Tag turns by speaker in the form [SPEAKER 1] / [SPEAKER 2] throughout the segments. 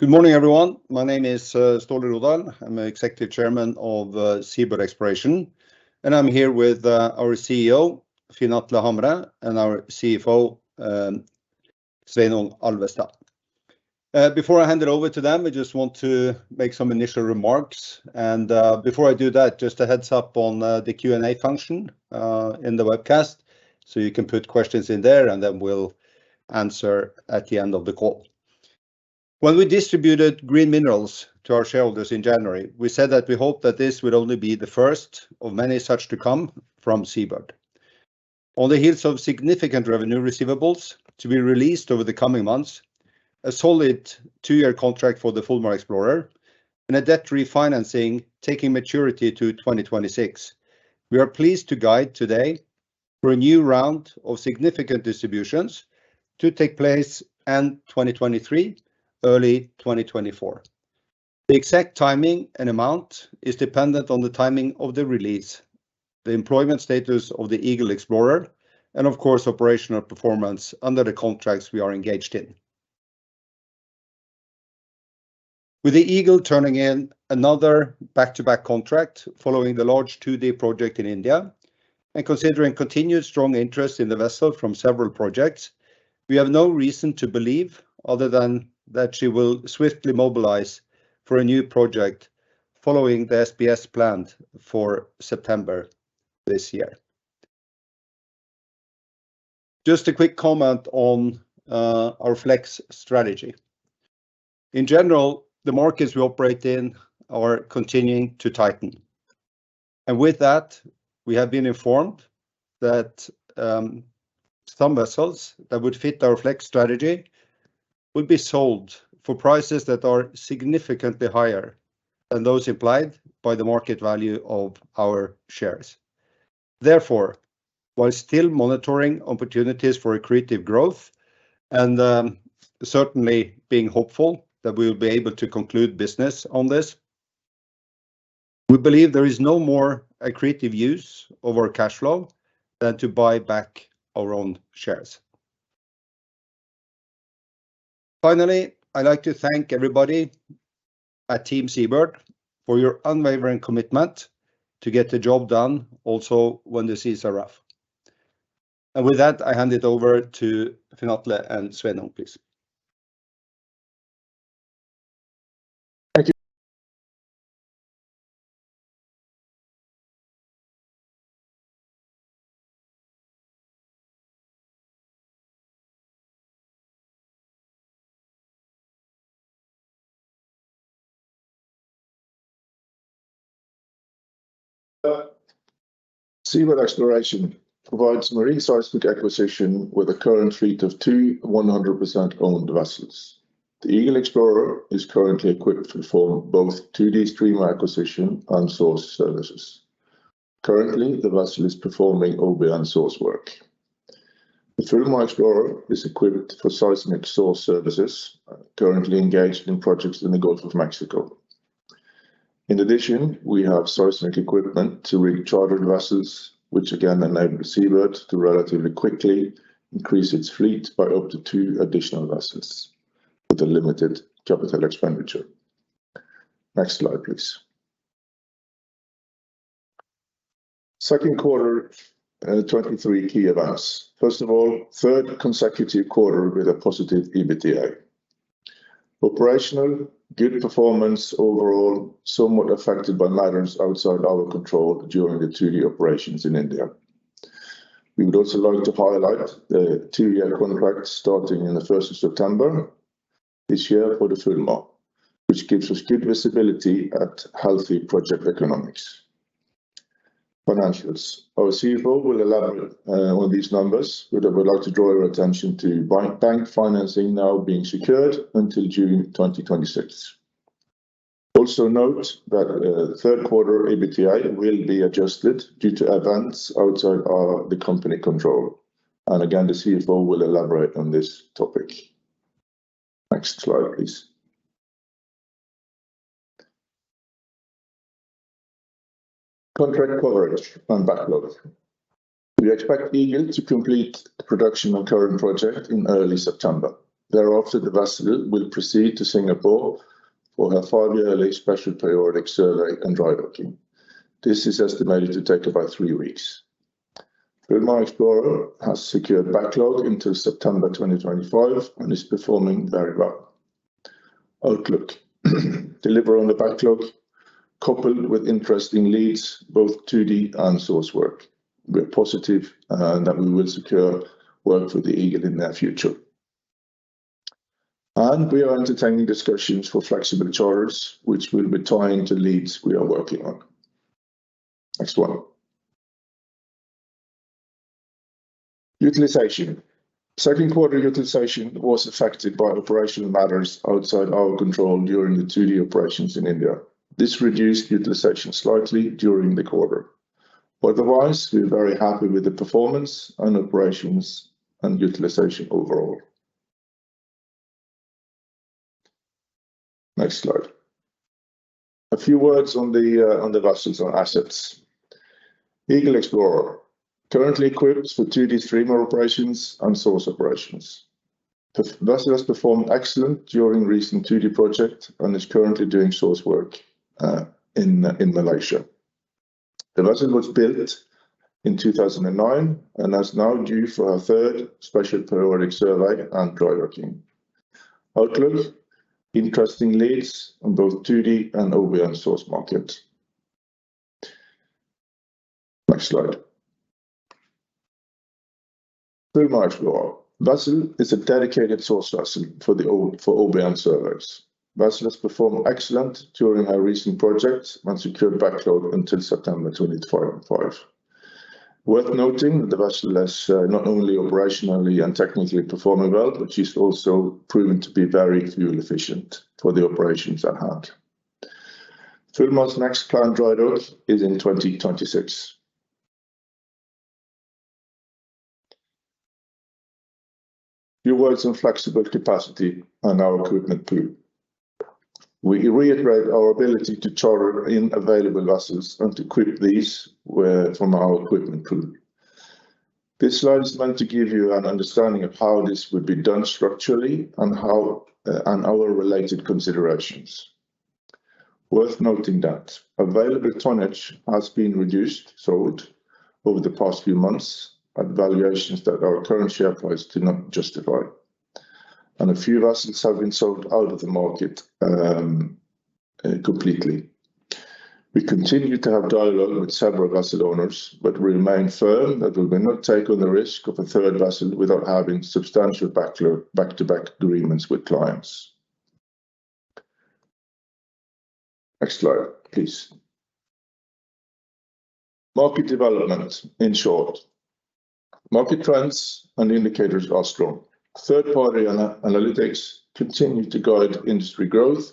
[SPEAKER 1] Good morning, everyone. My name is Ståle Rodahl. I'm Executive Chairman of SeaBird Exploration, and I'm here with our CEO, Finn Atle Hamre, and our CFO, Sveinung Alvestad. Before I hand it over to them, I just want to make some initial remarks, and before I do that, just a heads up on the Q&A function in the webcast, so you can put questions in there, and then we'll answer at the end of the call. When we distributed Green Minerals to our shareholders in January, we said that we hope that this would only be the first of many such to come from SeaBird. On the heels of significant revenue receivables to be released over the coming months, a solid two-year contract for the Fulmar Explorer, and a debt refinancing, taking maturity to 2026. We are pleased to guide today for a new round of significant distributions to take place end 2023, early 2024. The exact timing and amount is dependent on the timing of the release, the employment status of the Eagle Explorer, and of course, operational performance under the contracts we are engaged in. With the Eagle turning in another back-to-back contract following the large 2D project in India, and considering continued strong interest in the vessel from several projects, we have no reason to believe other than that she will swiftly mobilize for a new project following the SPS for September this year. Just a quick comment on our flex strategy. In general, the markets we operate in are continuing to tighten, and with that, we have been informed that some vessels that would fit our flex strategy would be sold for prices that are significantly higher than those implied by the market value of our shares. Therefore, while still monitoring opportunities for accretive growth and certainly being hopeful that we will be able to conclude business on this, we believe there is no more accretive use of our cash flow than to buy back our own shares. Finally, I'd like to thank everybody at Team SeaBird for your unwavering commitment to get the job done, also when the seas are rough. With that, I hand it over to Finn Atle and Sveinung, please.
[SPEAKER 2] Thank you. SeaBird Exploration provides marine seismic acquisition with a current fleet of two 100% owned vessels. The Eagle Explorer is currently equipped to perform both 2D streamer acquisition and source services. Currently, the vessel is performing OBN source work. The Fulmar Explorer is equipped for seismic source services, currently engaged in projects in the Gulf of Mexico. In addition, we have seismic equipment to recharter vessels, which again enable SeaBird to relatively quickly increase its fleet by up to two additional vessels with a limited capital expenditure. Next slide, please. Second quarter, 2023 key events. First of all, 3rd consecutive quarter with a positive EBITDA. Operational, good performance overall, somewhat affected by matters outside our control during the 2D operations in India. We would also like to highlight the two year contract starting in the 1st of September this year for the Fulmar, which gives us good visibility at healthy project economics. Financials. Our CFO will elaborate on these numbers, but I would like to draw your attention to bank financing now being secured until June 2026. Also note that 3rd quarter EBITDA will be adjusted due to events outside of the company control. Again, the CFO will elaborate on this topic. Next slide, please. Contract coverage and backlog. We expect Eagle to complete the production on current project in early September. Thereafter, the vessel will proceed to Singapore for her five yearly Special Periodic Survey and dry docking. This is estimated to take about three weeks. Fulmar Explorer has secured backlog into September 2025 and is performing very well. Outlook. Delivery on the backlog, coupled with interesting leads, both 2D and source work. We are positive that we will secure work for the Eagle in the near future. We are entertaining discussions for flexible charters, which will be tied to leads we are working on. Next one. Utilization. Second quarter utilization was affected by operational matters outside our control during the 2D operations in India. This reduced utilization slightly during the quarter. Otherwise, we're very happy with the performance and operations and utilization overall. Next slide. A few words on the vessels or assets. Eagle Explorer, currently equipped for 2D streamer operations and source operations. The vessel has performed excellent during recent 2D project and is currently doing source work in Malaysia. The vessel was built in 2009 and is now due for her third special periodic survey and dry docking. Outlook, interesting leads on both 2D and OBN source market. Next slide. Fulmar Explorer. Vessel is a dedicated source vessel for OBN surveys. Vessel has performed excellent during her recent projects and secured backlog until September 2025. Worth noting that the vessel has not only operationally and technically performing well, but she's also proven to be very fuel efficient for the operations at hand. Fulmar's next planned dry dock is in 2026. A few words on flexible capacity and our equipment pool. We reiterate our ability to charter in available vessels and to equip these with from our equipment pool. This slide is meant to give you an understanding of how this would be done structurally and how, and our related considerations. Worth noting that available tonnage has been reduced, sold over the past few months at valuations that our current share price do not justify, and a few vessels have been sold out of the market, completely. We continue to have dialogue with several vessel owners, but remain firm that we will not take on the risk of a third vessel without having substantial back-to-back agreements with clients. Next slide, please. Market development in short. Market trends and indicators are strong. Third party analytics continue to guide industry growth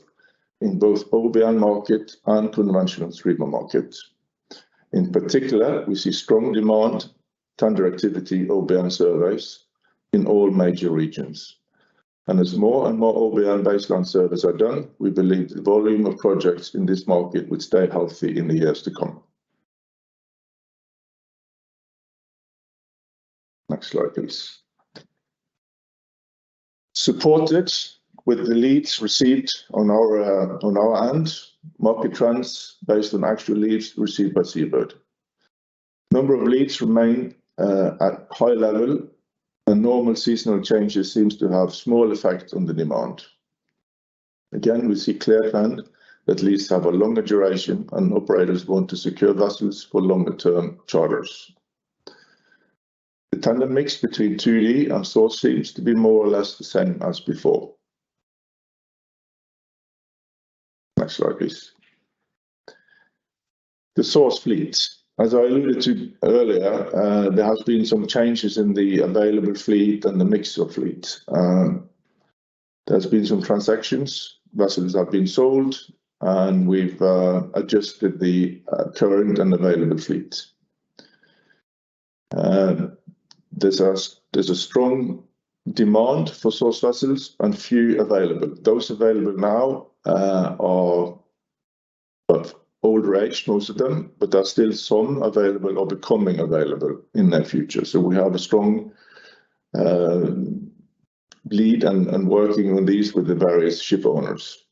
[SPEAKER 2] in both OBN market and conventional streamer market. In particular, we see strong demand, tender activity, OBN surveys in all major regions, and as more and more OBN baseline surveys are done, we believe the volume of projects in this market will stay healthy in the years to come. Next slide, please. Supported with the leads received on our, on our end, market trends based on actual leads received by SeaBird. Number of leads remain at high level, normal seasonal changes seems to have small effect on the demand. Again, we see clear trend that leads have a longer duration and operators want to secure vessels for longer term charters. The tender mix between 2D and source seems to be more or less the same as before. Next slide, please. The source fleets. As I alluded to earlier, there has been some changes in the available fleet and the mix of fleet. There's been some transactions, vessels have been sold, and we've adjusted the current and available fleet. There's a strong demand for source vessels and few available. Those available now are of old age, most of them, but there are still some available or becoming available in the future. We have a strong lead and working on these with the various ship owners.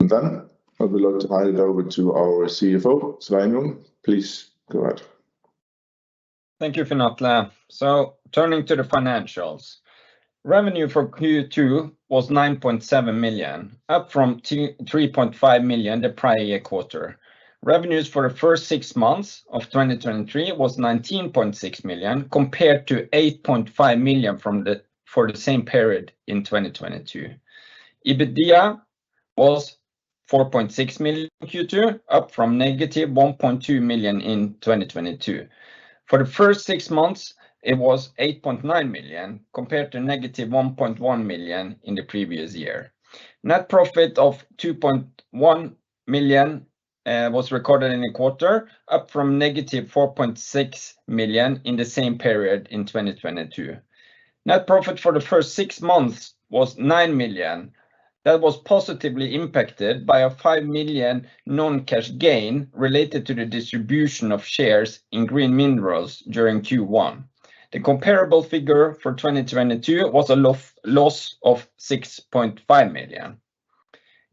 [SPEAKER 2] Then I would like to hand it over to our CFO, Sveinung. Please go ahead.
[SPEAKER 3] Thank you, Finn Atle. Turning to the financials. Revenue for Q2 was $9.7 million, up from $3.5 million the prior year quarter. Revenues for the first six months of 2023 was $19.6 million, compared to $8.5 million for the same period in 2022. EBITDA was $4.6 million Q2, up from $-1.2 million in 2022. For the first six months it was $8.9 million, compared to $-1.1 million in the previous year. Net profit of $2.1 million was recorded in the quarter, up from $-4.6 million in the same period in 2022. Net profit for the first six months was $9 million. That was positively impacted by a $5 million non-cash gain related to the distribution of shares in Green Minerals during Q1. The comparable figure for 2022 was a lo- loss of $6.5 million.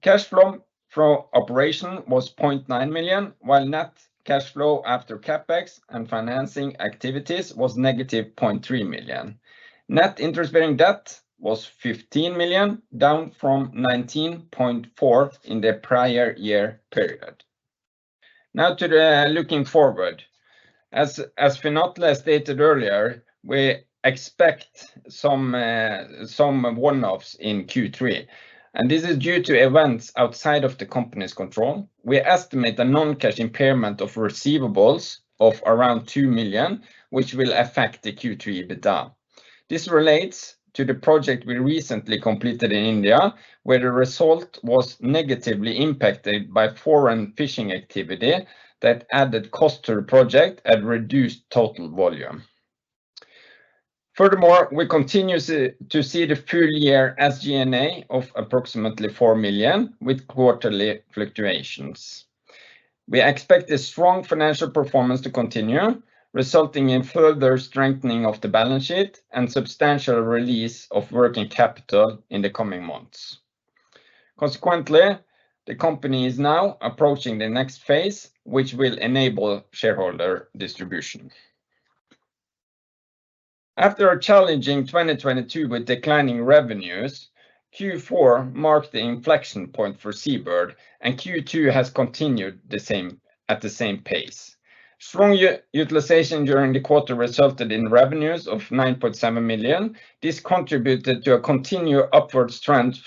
[SPEAKER 3] Cash flow from operation was $0.9 million, while net cash flow after CapEx and financing activities was negative $0.3 million. Net interest-bearing debt was $15 million, down from $19.4 million in the prior year period. To the looking forward. As, as Finn Atle stated earlier, we expect some one-offs in Q3. This is due to events outside of the company's control. We estimate a non-cash impairment of receivables of around $2 million, which will affect the Q3 EBITDA. This relates to the project we recently completed in India, where the result was negatively impacted by foreign fishing activity that added cost to the project and reduced total volume. We continue to see the full year SG&A of approximately $4 million with quarterly fluctuations. We expect a strong financial performance to continue, resulting in further strengthening of the balance sheet and substantial release of working capital in the coming months. The company is now approaching the next phase, which will enable shareholder distribution. After a challenging 2022 with declining revenues, Q4 marked the inflection point for SeaBird. Q2 has continued the same, at the same pace. Strong utilization during the quarter resulted in revenues of $9.7 million. This contributed to a continued upward trend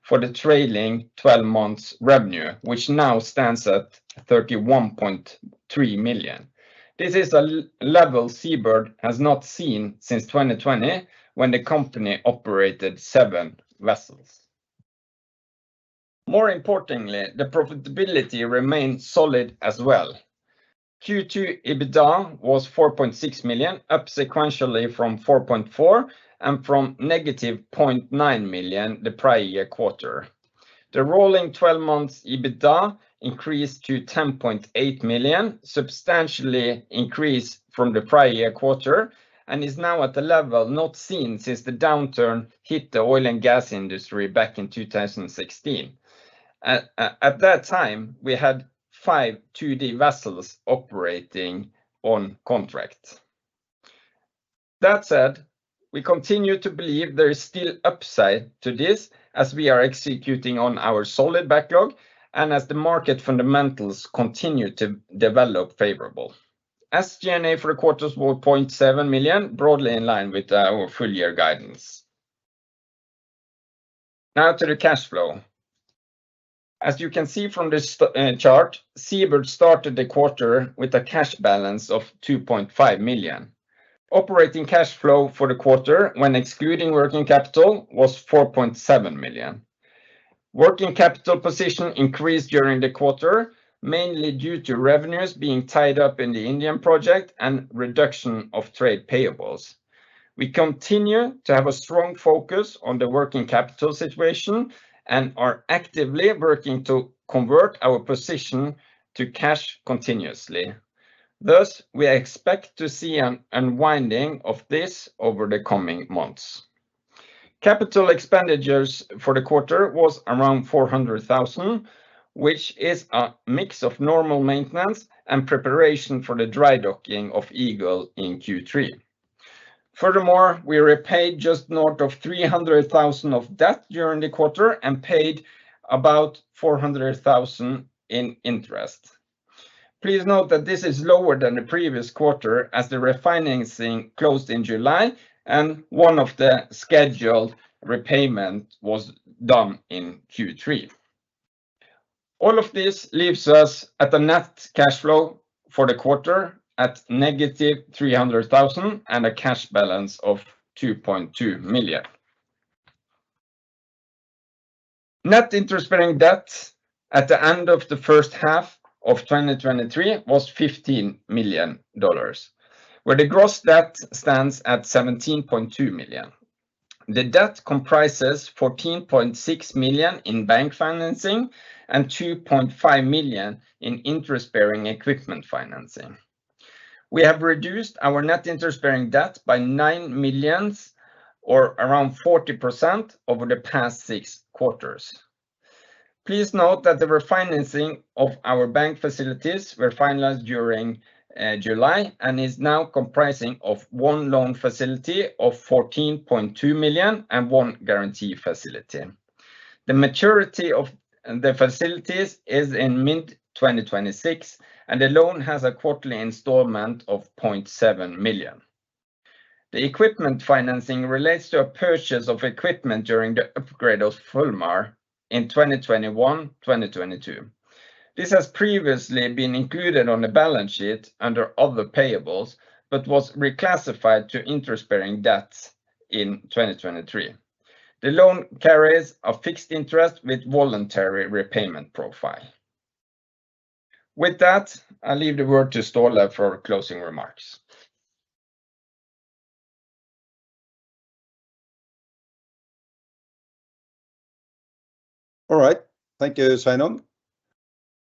[SPEAKER 3] for the trailing 12 months revenue, which now stands at $31.3 million. This is a level SeaBird has not seen since 2020, when the company operated 7 vessels. More importantly, the profitability remained solid as well. Q2 EBITDA was $4.6 million, up sequentially from $4.4 million, and from -$0.9 million the prior year quarter. The rolling 12 months EBITDA increased to $10.8 million, substantially increased from the prior year quarter, and is now at a level not seen since the downturn hit the oil and gas industry back in 2016. At that time, we had five 2D vessels operating on contract. That said, we continue to believe there is still upside to this, as we are executing on our solid backlog and as the market fundamentals continue to develop favorable. SG&A for the quarter was $0.7 million, broadly in line with our full year guidance. Now to the cash flow. As you can see from this chart, SeaBird started the quarter with a cash balance of $2.5 million. Operating cash flow for the quarter, when excluding working capital, was $4.7 million. Working capital position increased during the quarter, mainly due to revenues being tied up in the Indian project and reduction of trade payables. We continue to have a strong focus on the working capital situation and are actively working to convert our position to cash continuously. Thus, we expect to see an unwinding of this over the coming months. Capital expenditures for the quarter was around $400,000, which is a mix of normal maintenance and preparation for the dry docking of Eagle in Q3. Furthermore, we repaid just north of $300,000 of debt during the quarter and paid about $400,000 in interest. Please note that this is lower than the previous quarter, as the refinancing closed in July and one of the scheduled repayment was done in Q3. All of this leaves us at a net cash flow for the quarter at negative $300,000 and a cash balance of $2.2 million. Net interest-bearing debt at the end of the first half of 2023 was $15 million, where the gross debt stands at $17.2 million. The debt comprises $14.6 million in bank financing and $2.5 million in interest-bearing equipment financing. We have reduced our net interest-bearing debt by $9 million, or around 40%, over the past 6 quarters. Please note that the refinancing of our bank facilities were finalized during July and is now comprising of one loan facility of $14.2 million and one guarantee facility. The maturity of the facilities is in mid-2026, and the loan has a quarterly installment of $0.7 million. The equipment financing relates to a purchase of equipment during the upgrade of Fulmar in 2021, 2022. This has previously been included on the balance sheet under other payables but was reclassified to interest-bearing debts in 2023. The loan carries a fixed interest with voluntary repayment profile. With that, I leave the word to Ståle for closing remarks.
[SPEAKER 1] All right, thank you, Sveinung.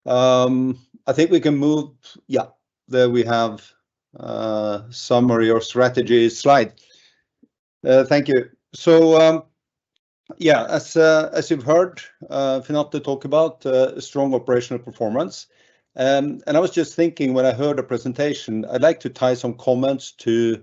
[SPEAKER 1] I think we can move... Yeah, there we have a summary or strategy slide. Thank you. Yeah, as you've heard, Sveinung talk about strong operational performance. And I was just thinking when I heard the presentation, I'd like to tie some comments to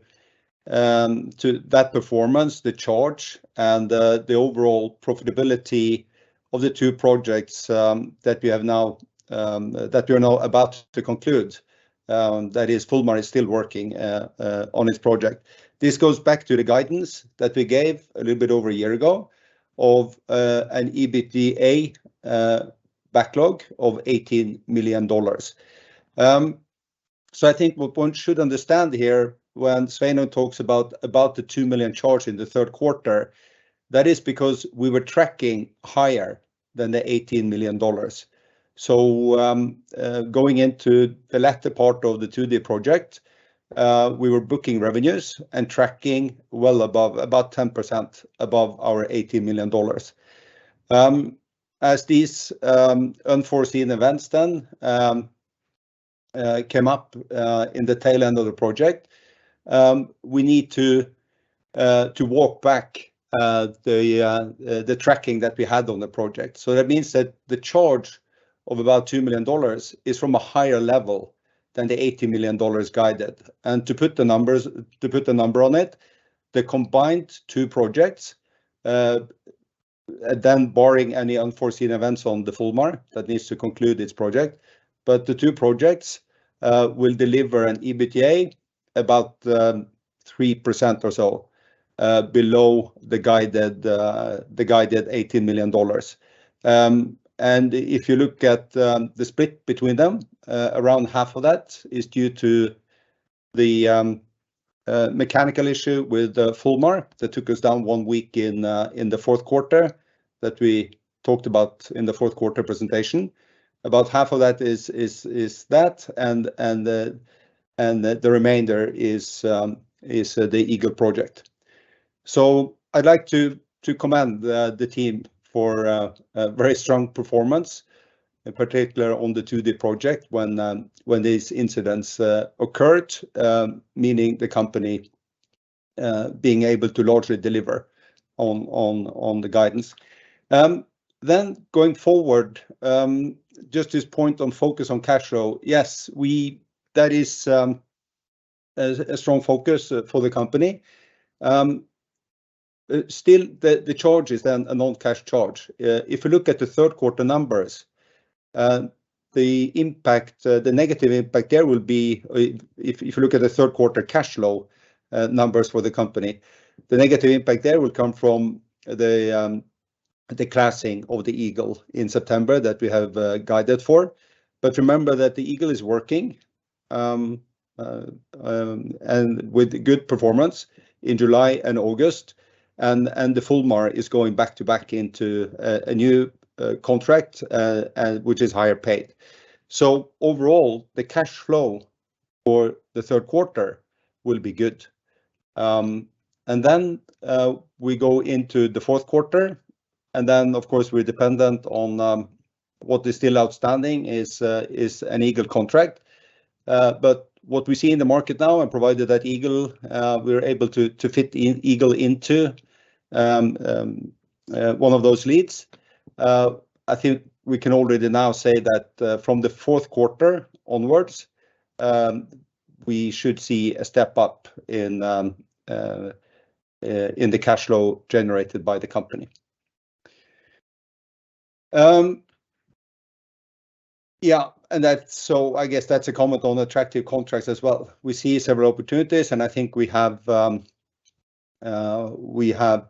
[SPEAKER 1] that performance, the charge, and the overall profitability of the two projects that we have now that we are now about to conclude. That is, Fulmar is still working on its project. This goes back to the guidance that we gave a little bit over a year ago of an EBITDA backlog of $18 million. I think what one should understand here when Sveinung talks about, about the $2 million charge in the third quarter-... That is because we were tracking higher than the $18 million. Going into the latter part of the 2D project, we were booking revenues and tracking well above, about 10% above our $18 million. As these unforeseen events then came up in the tail end of the project, we need to walk back the tracking that we had on the project. That means that the charge of about $2 million is from a higher level than the $18 million guided. To put the numbers- to put a number on it, the combined two projects, then barring any unforeseen events on the Fulmar Explorer that needs to conclude this project, but the two projects will deliver an EBITDA about 3% or so below the guided $18 million. If you look at the split between them, around half of that is due to the mechanical issue with the Fulmar Explorer that took us down one week in the fourth quarter, that we talked about in the fourth quarter presentation. About half of that is, is, is that, and the remainder is the Eagle project. I'd like to, to commend the, the team for a very strong performance, in particular on the 2D project, when when these incidents occurred, meaning the company being able to largely deliver on, on, on the guidance. Going forward, just this point on focus on cash flow. Yes, we, that is a strong focus for the company. Still, the, the charge is then a non-cash charge. If you look at the third quarter numbers, the impact, the negative impact there will be, if, if you look at the third quarter cash flow, numbers for the company, the negative impact there will come from the, the classing of the Eagle in September that we have guided for. Remember that the Eagle is working, and with good performance in July and August, and the Fulmar Explorer is going back to back into a new contract, which is higher paid. Overall, the cash flow for the third quarter will be good. Then we go into the fourth quarter, and then, of course, we're dependent on what is still outstanding is an Eagle contract. What we see in the market now, and provided that Eagle, we are able to, to fit Eagle into one of those leads, I think we can already now say that from the fourth quarter onwards, we should see a step up in the cash flow generated by the company. Yeah, and that's, I guess that's a comment on attractive contracts as well. We see several opportunities, and I think we have, we have,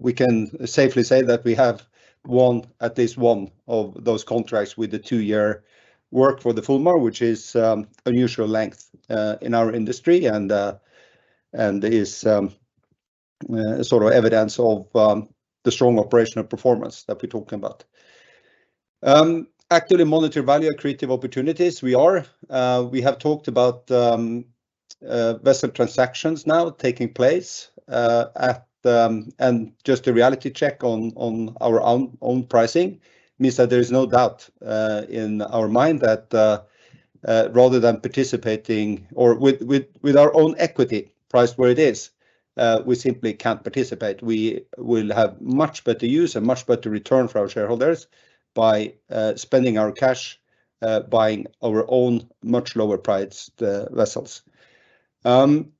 [SPEAKER 1] we can safely say that we have one, at least one of those contracts with the two-year work for the Fulmar, which is unusual length in our industry, and and is sort of evidence of the strong operational performance that we're talking about. Actively monitor value creative opportunities. We are, we have talked about, vessel transactions now taking place, at... Just a reality check on, on our own, own pricing means that there is no doubt in our mind that rather than participating or with, with, with our own equity price where it is, we simply can't participate. We will have much better use and much better return for our shareholders by spending our cash buying our own much lower priced vessels. That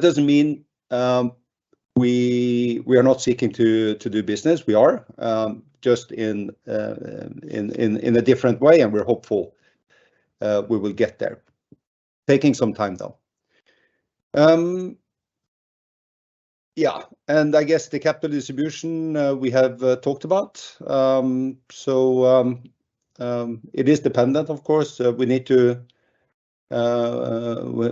[SPEAKER 1] doesn't mean we, we are not seeking to, to do business. We are just in in in a different way, and we're hopeful we will get there. Taking some time, though. Yeah, I guess the capital distribution we have talked about. It is dependent, of course. We need to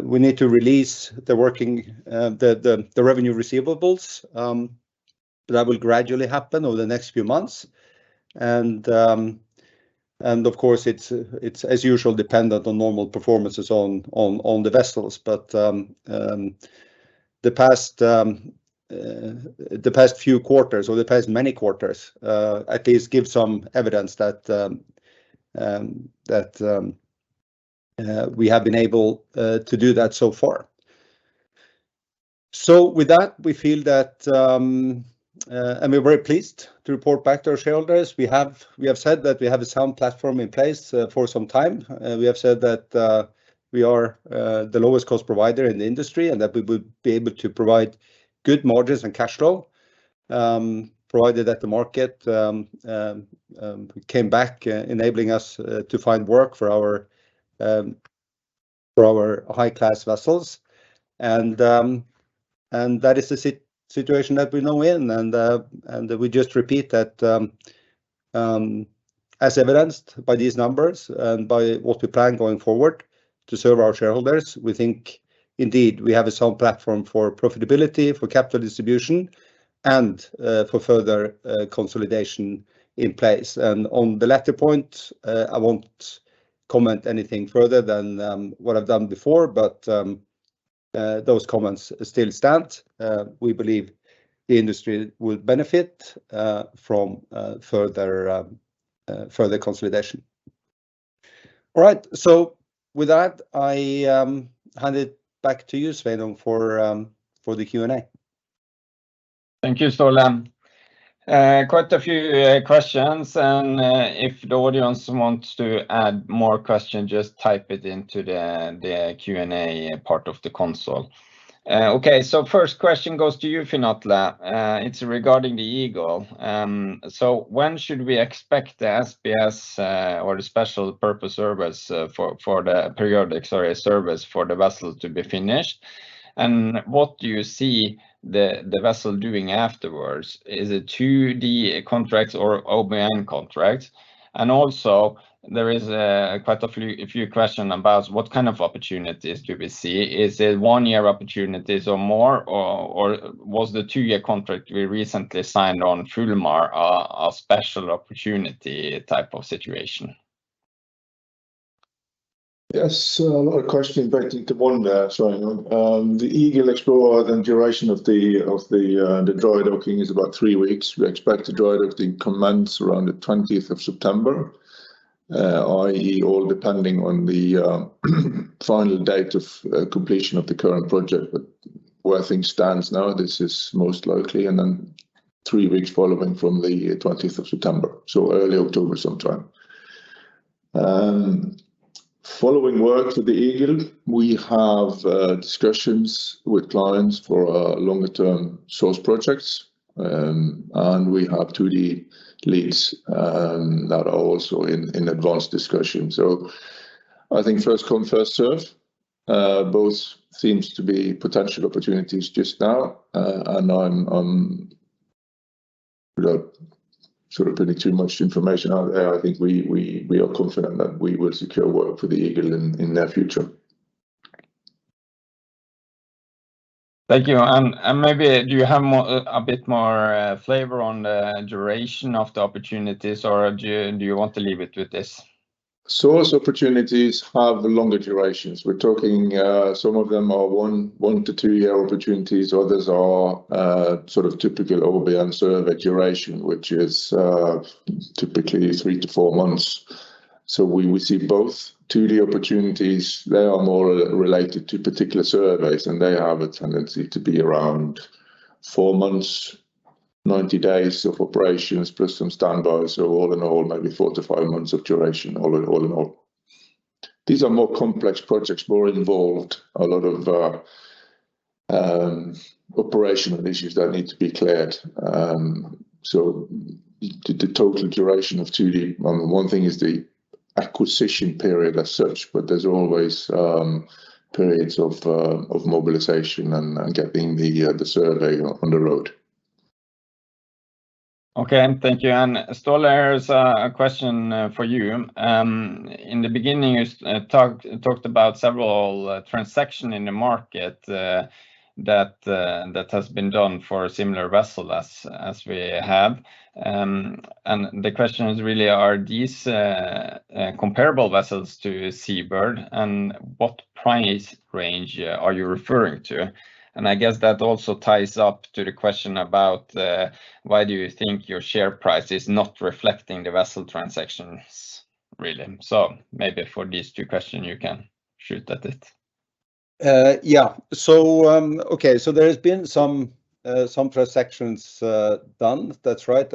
[SPEAKER 1] we need to release the working the the the revenue receivables. That will gradually happen over the next few months. Of course, it's, it's, as usual, dependent on normal performances on on on the vessels. The past the past few quarters or the past many quarters at least give some evidence that that we have been able to do that so far. With that, we feel that and we're very pleased to report back to our shareholders. We have, we have said that we have a sound platform in place for some time. We have said that we are the lowest cost provider in the industry and that we will be able to provide good margins and cash flow provided that the market came back enabling us to find work for our for our high-class vessels. That is the situation that we now in, and we just repeat that. as evidenced by these numbers and by what we plan going forward to serve our shareholders, we think indeed we have a sound platform for profitability, for capital distribution, for further consolidation in place. On the latter point, I won't comment anything further than what I've done before, but those comments still stand. We believe the industry will benefit from further further consolidation. With that, I hand it back to you, Sveinung, for for the Q&A.
[SPEAKER 3] Thank you, Ståle. Quite a few questions, if the audience wants to add more question, just type it into the, the Q&A part of the console. Okay, first question goes to you, Finn Atle. It's regarding the Eagle. When should we expect the SPS, or the special purpose service, for, for the periodic, sorry, service for the vessel to be finished? What do you see the, the vessel doing afterwards? Is it 2D contracts or OBN contracts? Also there is quite a few, a few question about what kind of opportunities do we see? Is it one-year opportunities or more, or, or was the two-year contract we recently signed on through Fulmar a, a special opportunity type of situation?
[SPEAKER 2] Yes, a lot of question packed into one there, Sveinung. The Eagle Explorer and duration of the dry docking is about three weeks. We expect the dry docking commence around the 20th of September. i.e., all depending on the final date of completion of the current project, where things stands now, this is most likely, and then thee weeks following from the 20th of September, so early October sometime. Following work for the Eagle, we have discussions with clients for a longer-term source projects, and we have 2D leads that are also in advanced discussion. I think first come, first served. Both seems to be potential opportunities just now, and I'm. without sort of putting too much information out there, I think we, we, we are confident that we will secure work for the Eagle in, in the near future.
[SPEAKER 3] Thank you. And maybe do you have more, a bit more, flavor on the duration of the opportunities, or do, do you want to leave it with this?
[SPEAKER 2] Source opportunities have longer durations. We're talking, some of them are 1-2-year opportunities, others are sort of typical over the answer duration, which is typically 3-4 months. We will see both 2D opportunities. They are more related to particular surveys, and they have a tendency to be around four months, 90 days of operations, plus some standby. All in all, maybe 4-5 months of duration, all in all, all in all. These are more complex projects, more involved, a lot of operational issues that need to be cleared. The total duration of 2D, one thing is the acquisition period as such, but there's always periods of mobilization and getting the survey on the road.
[SPEAKER 3] Okay, thank you. Ståle, here is a question for you. In the beginning, you talked, talked about several transaction in the market, that has been done for a similar vessel as, as we have. The question is really, are these comparable vessels to SeaBird, and what price range are you referring to? I guess that also ties up to the question about, why do you think your share price is not reflecting the vessel transactions, really? Maybe for these two question, you can shoot at it.
[SPEAKER 1] Yeah. Okay, there has been some transactions done. That's right.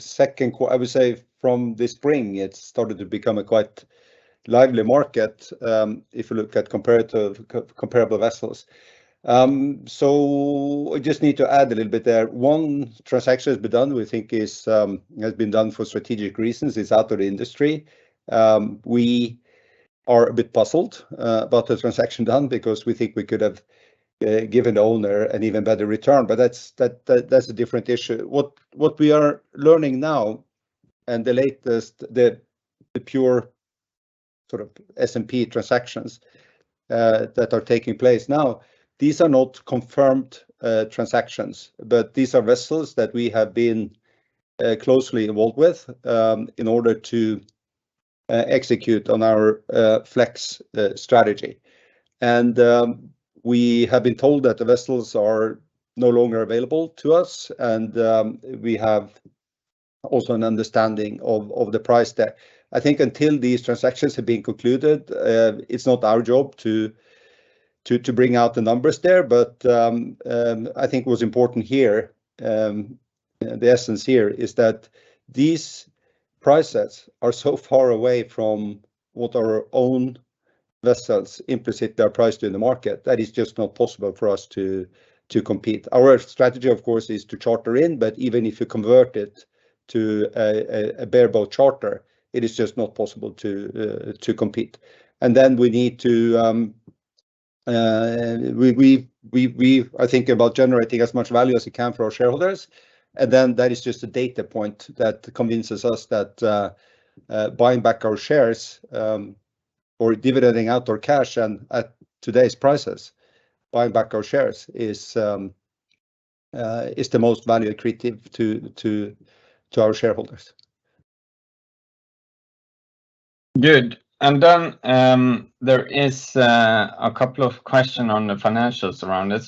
[SPEAKER 1] Second, I would say from this spring, it started to become a quite lively market if you look at comparative, comparable vessels. I just need to add a little bit there. One transaction has been done, we think is has been done for strategic reasons, is out of the industry. We are a bit puzzled about the transaction done because we think we could have given the owner an even better return. That's, that, that's a different issue. What, what we are learning now, and the latest, the, the pure sort of S&P transactions that are taking place now, these are not confirmed transactions, but these are vessels that we have been closely involved with, in order to execute on our flex strategy. We have been told that the vessels are no longer available to us, and we have also an understanding of, of the price tag. I think until these transactions have been concluded, it's not our job to, to, to bring out the numbers there, but I think what's important here, the essence here, is that these price sets are so far away from what our own vessels implicit their price to the market, that is just not possible for us to, to compete. Our strategy, of course, is to charter in, but even if you convert it to a, a, a bareboat charter, it is just not possible to, to compete. Then we need to, we, we, we, we are thinking about generating as much value as we can for our shareholders, then that is just a data point that convinces us that, buying back our shares, or dividending out our cash and at today's prices, buying back our shares is, is the most value accretive to, to, to our shareholders.
[SPEAKER 3] Good. Then, there is a couple of question on the financials around it.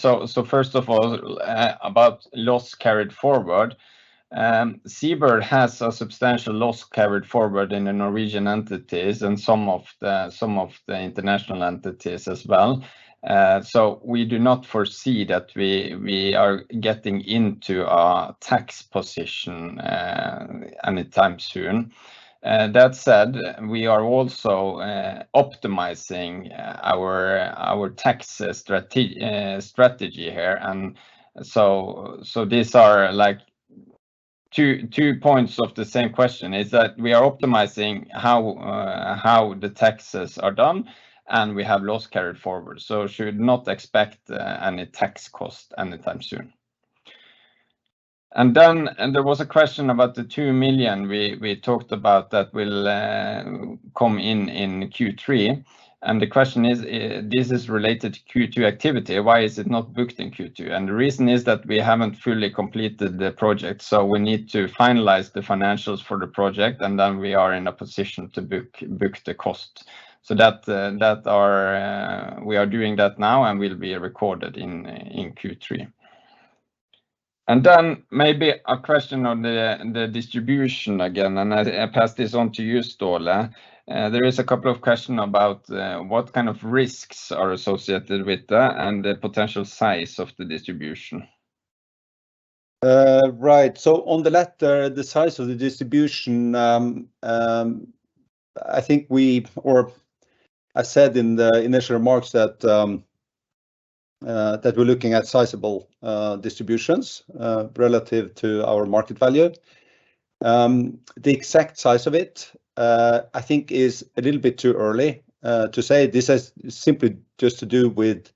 [SPEAKER 3] First of all, about Loss carried forward. SeaBird has a substantial Loss carried forward in the Norwegian entities and some of the, some of the international entities as well. We do not foresee that we, we are getting into a tax position anytime soon. That said, we are also optimizing our tax strategy here. These are, like, two, two points of the same question, is that we are optimizing how the taxes are done, and we have Loss carried forward. Should not expect any tax cost anytime soon. There was a question about the $2 million we, we talked about that will come in in Q3, and the question is, this is related to Q2 activity, why is it not booked in Q2? The reason is that we haven't fully completed the project, we need to finalize the financials for the project, we are in a position to book, book the cost. We are doing that now and will be recorded in, in Q3. Maybe a question on the, the distribution again, I, I pass this on to you, Ståle. There is a couple of question about what kind of risks are associated with that and the potential size of the distribution.
[SPEAKER 1] Right. On the latter, the size of the distribution, I think we... or I said in the initial remarks that we're looking at sizable distributions relative to our market value. The exact size of it, I think is a little bit too early to say. This is simply just to do with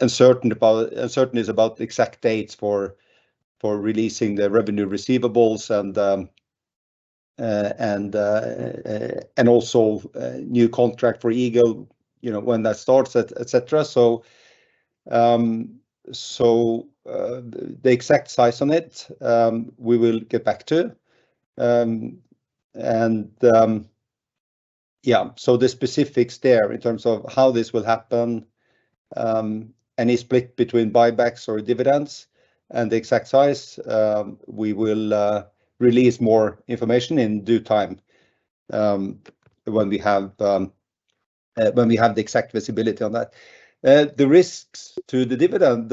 [SPEAKER 1] uncertainty about- uncertainties about the exact dates for, for releasing the revenue receivables and and also new contract for Eagle, you know, when that starts, et, et cetera. The exact size on it, we will get back to. The specifics there in terms of how this will happen, any split between buybacks or dividends and the exact size, we will release more information in due time, when we have the exact visibility on that. The risks to the dividend,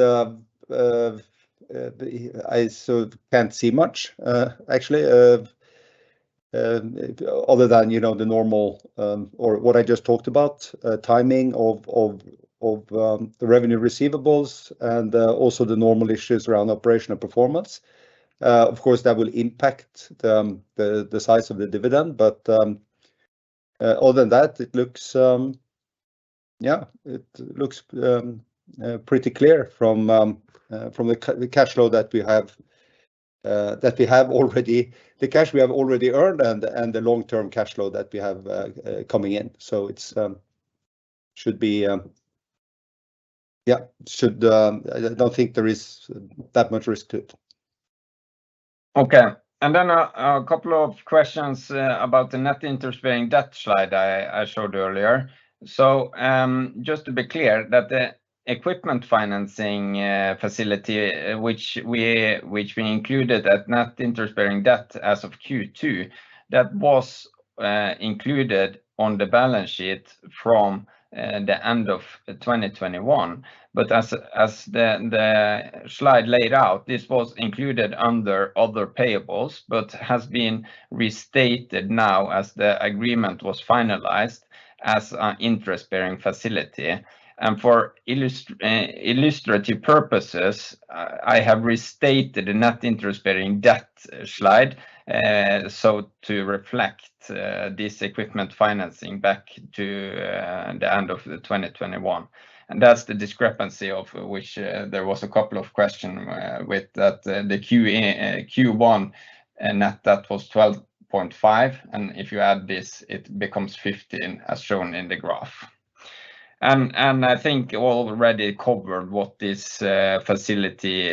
[SPEAKER 1] I sort of can't see much, actually, other than, you know, the normal, or what I just talked about, timing of the revenue receivables and also the normal issues around operational performance. Of course, that will impact the, the, the size of the dividend, but, other than that, it looks, yeah, it looks, pretty clear from, from the the cash flow that we have, that we have already, the cash we have already earned and, and the long-term cash flow that we have, coming in. It's, should be, yeah, should, I don't think there is that much risk to it.
[SPEAKER 3] Okay. A couple of questions about the net interest-bearing debt slide I showed earlier. Just to be clear, that the equipment financing facility, which we included at net interest-bearing debt as of Q2, that was included on the balance sheet from the end of 2021. As the slide laid out, this was included under other payables, but has been restated now as the agreement was finalized as an interest-bearing facility. For illustrative purposes, I have restated the net interest-bearing debt slide, so to reflect this equipment financing back to the end of 2021. That's the discrepancy of which there was a couple of questions with that, the QA, Q1, and that was $12.5, and if you add this, it becomes $15, as shown in the graph. I think we already covered what this facility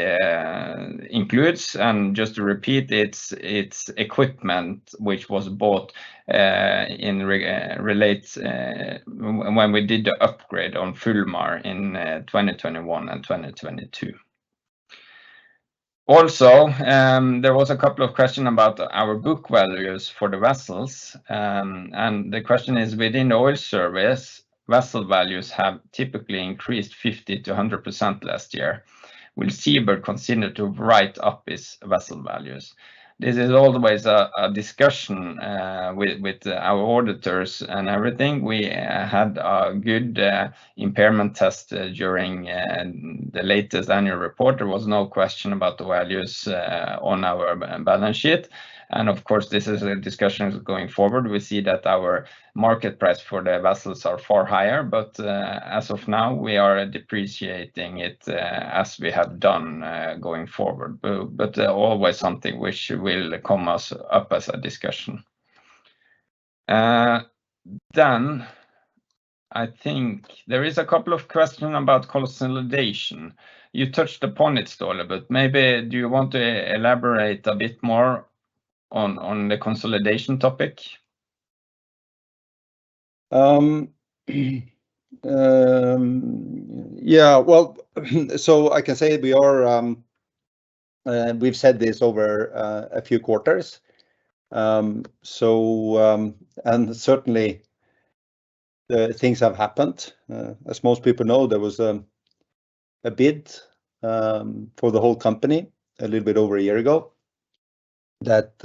[SPEAKER 3] includes, and just to repeat, it's equipment which was bought in relates when we did the upgrade on Fulmar in 2021 and 2022. There was a couple of question about our book values for the vessels. The question is, within oil service, vessel values have typically increased 50%-100% last year. Will SeaBird consider to write up its vessel values? This is always a discussion with our auditors and everything. We had a good impairment test during the latest annual report. There was no question about the values on our balance sheet, and of course, this is a discussion going forward. We see that our market price for the vessels are far higher, but as of now, we are depreciating it as we have done going forward. Always something which will come as up as a discussion. I think there is a couple of questions about consolidation. You touched upon it, Ståle, but maybe do you want to elaborate a bit more on, on the consolidation topic?
[SPEAKER 1] Yeah, well, I can say we are, we've said this over a few quarters. Certainly, things have happened. As most people know, there was a bid for the whole company a little bit over a year ago, that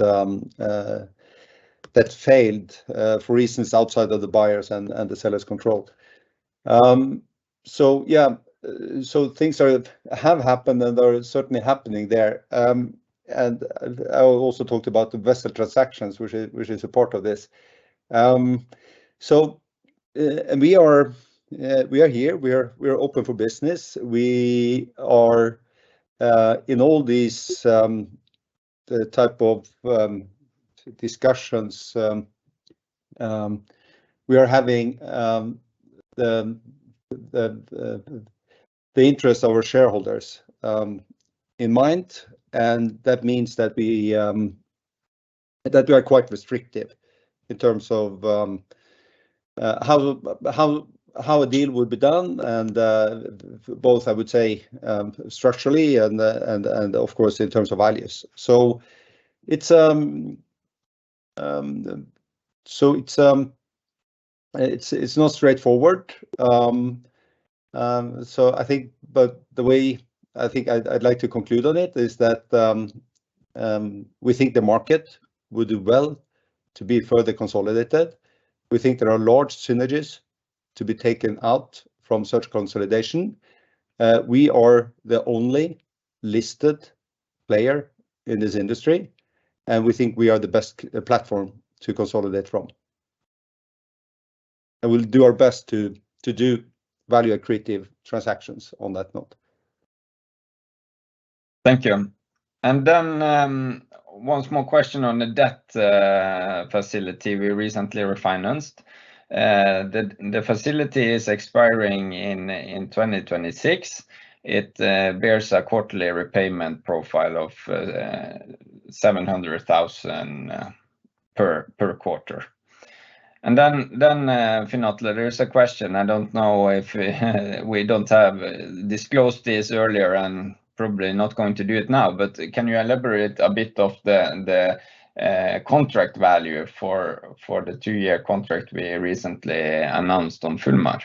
[SPEAKER 1] that failed for reasons outside of the buyers and, and the sellers' control. Yeah, things are- have happened, and are certainly happening there. I also talked about the vessel transactions, which is, which is a part of this. We are, we are here, we are, we are open for business. We are in all these, the type of discussions we are having, the, the, the, the interest of our shareholders in mind, and that means that we that we are quite restrictive in terms of how, how, how a deal would be done, and both, I would say, structurally and, and of course, in terms of values. It's... So it's, it's, it's not straightforward. I think but the way I think I'd, I'd like to conclude on it is that, we think the market would do well to be further consolidated. We think there are large synergies to be taken out from such consolidation. We are the only listed player in this industry, and we think we are the best platform to consolidate from. We'll do our best to do value-accretive transactions on that note.
[SPEAKER 3] Thank you. One small question on the debt facility we recently refinanced. The facility is expiring in 2026. It bears a quarterly repayment profile of $700,000 per quarter. Finn Atle, there is a question, I don't know if, we don't have disclosed this earlier, and probably not going to do it now, but can you elaborate a bit of the contract value for the 2-year contract we recently announced on Fulmar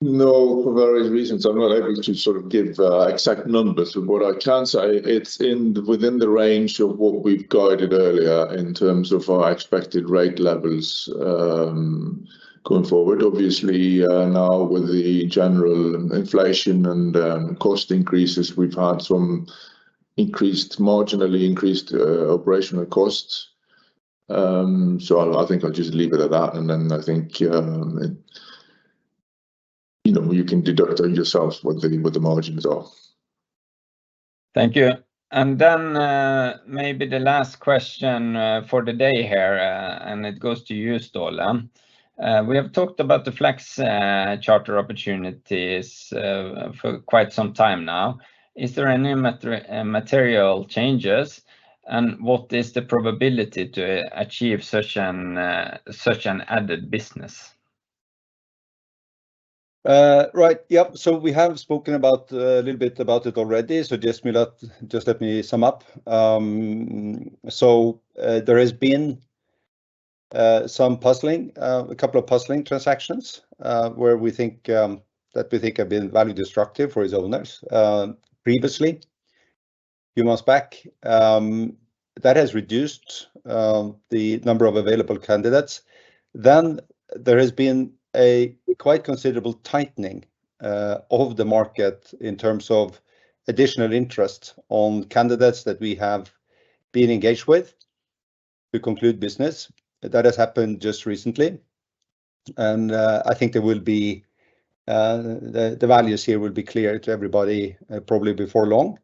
[SPEAKER 3] Explorer?
[SPEAKER 2] For various reasons, I'm not able to sort of give exact numbers, but what I can say, it's in, within the range of what we've guided earlier in terms of our expected rate levels going forward. Now with the general inflation and cost increases, we've had some increased, marginally increased, operational costs. I, I think I'll just leave it at that, and then I think, you know, you can deduct on yourselves what the, what the margins are.
[SPEAKER 3] Thank you. Maybe the last question for the day here, and it goes to you, Ståle. We have talked about the flex charter opportunities for quite some time now. Is there any material changes, and what is the probability to achieve such an added business?
[SPEAKER 1] Right. Yep. We have spoken about a little bit about it already, so just me let- just let me sum up. There has been some puzzling, a couple of puzzling transactions, where we think that we think have been value destructive for its owners, previously, a few months back. That has reduced the number of available candidates. Then there has been a quite considerable tightening of the market in terms of additional interest on candidates that we have been engaged with to conclude business. That has happened just recently, and I think there will be the, the values here will be clear to everybody, probably before long.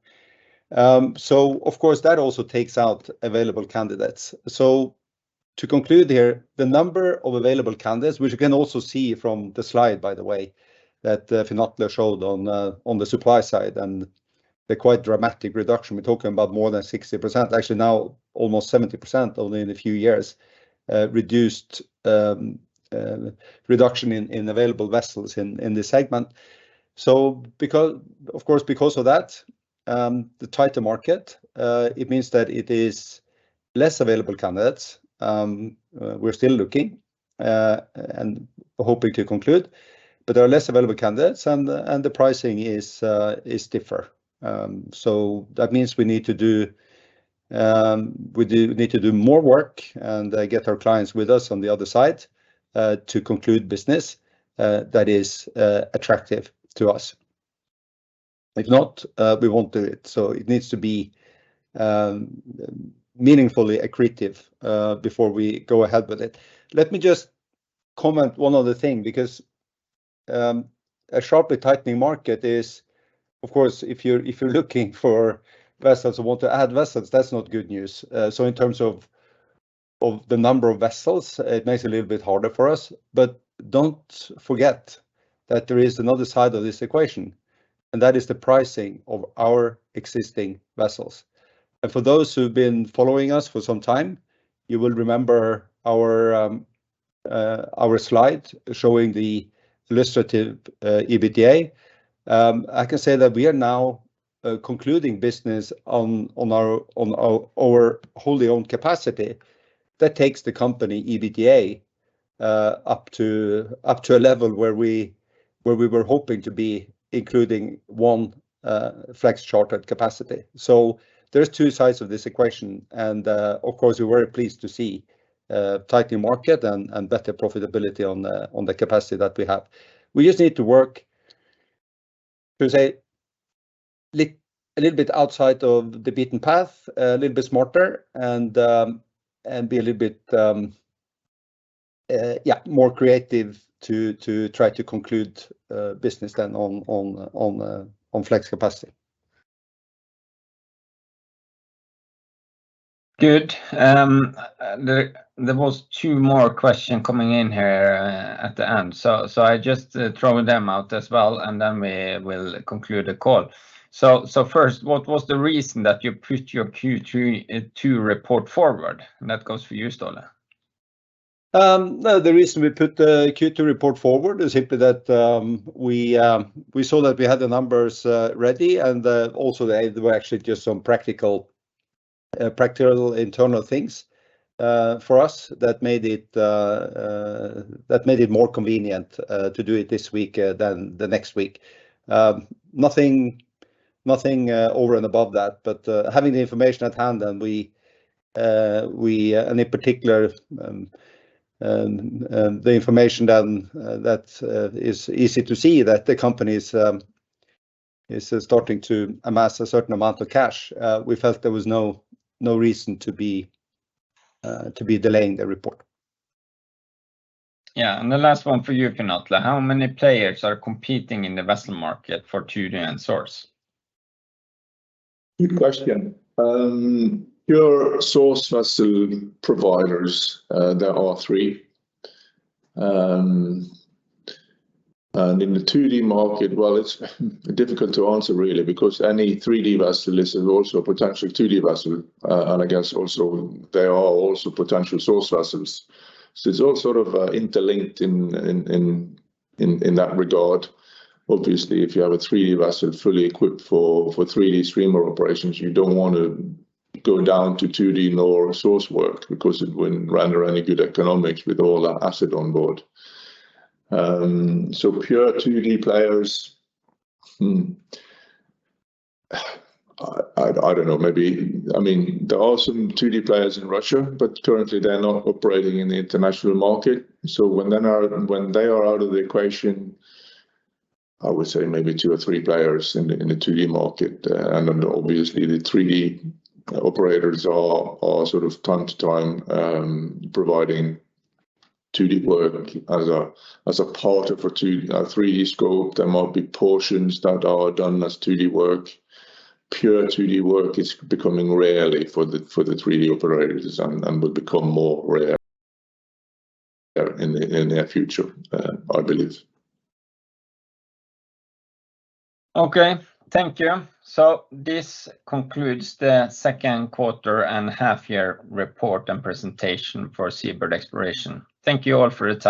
[SPEAKER 1] Of course, that also takes out available candidates. To conclude here, the number of available candidates, which you can also see from the slide, by the way, that Finn Atle showed on the supply side, and the quite dramatic reduction, we're talking about more than 60%, actually now almost 70% only in a few years, reduced reduction in available vessels in this segment. Because, of course, because of that, the tighter market, it means that it is less available candidates. We're still looking and hoping to conclude, but there are less available candidates, and the pricing is stiffer. That means we need to do, we do need to do more work and get our clients with us on the other side, to conclude business that is attractive to us. If not, we won't do it. It needs to be meaningfully accretive before we go ahead with it. Let me just comment one other thing, a sharply tightening market is, of course, if you're, if you're looking for vessels or want to add vessels, that's not good news. In terms of, of the number of vessels, it makes it a little bit harder for us. Don't forget that there is another side of this equation, and that is the pricing of our existing vessels. For those who have been following us for some time, you will remember our slide showing the illustrative EBITDA. I can say that we are now concluding business on, on our, on our, our wholly owned capacity. That takes the company EBITDA up to, up to a level where we, where we were hoping to be, including one flex chartered capacity. There's two sides of this equation, and of course, we're very pleased to see a tightening market and better profitability on the capacity that we have. We just need to work to say, a little bit outside of the beaten path, a little bit smarter, and be a little bit more creative to try to conclude business than on flex capacity.
[SPEAKER 3] Good. There, there was two more question coming in here at the end. I just throw them out as well, and then we will conclude the call. First, what was the reason that you put your Q2, 2 report forward? That goes for you, Ståle.
[SPEAKER 1] The reason we put the Q2 report forward is simply that we saw that we had the numbers ready, and also there were actually just some practical practical internal things for us that made it that made it more convenient to do it this week than the next week. Nothing, nothing over and above that, but having the information at hand and we, we, and in particular, the information that that is easy to see that the company is is starting to amass a certain amount of cash. We felt there was no, no reason to be to be delaying the report.
[SPEAKER 3] Yeah, the last one for you, Finn Atle. How many players are competing in the vessel market for 2D and source?
[SPEAKER 2] Good question. Your source vessel providers, there are three. In the 3D market, well, it's difficult to answer really, because any 3D vessel is also a potential 2D vessel, and I guess also they are also potential source vessels. It's all sort of, interlinked in, in, in, in, in that regard. Obviously, if you have a 3D vessel fully equipped for, for 3D streamer operations, you don't want to go down to 2D lower source work because it wouldn't render any good economics with all that asset on board. Pure 2D players, hmm, I, I don't know, maybe... I mean, there are some 2D players in Russia, but currently they're not operating in the international market. When they are, when they are out of the equation, I would say maybe two or three players in the, in the 2D market. Obviously, the 3D operators are sort of time to time providing 2D work as a part of a 3D scope. There might be portions that are done as 2D work. Pure 2D work is becoming rarely for the 3D operators and will become more rare in the future, I believe.
[SPEAKER 3] Okay, thank you. This concludes the second quarter and half year report and presentation for SeaBird Exploration. Thank you all for your time.